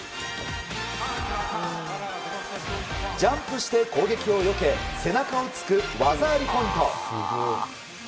ジャンプして、攻撃をよけ背中を突く技ありポイント。